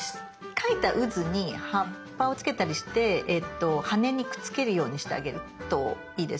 描いたうずに葉っぱをつけたりして羽にくっつけるようにしてあげるといいです。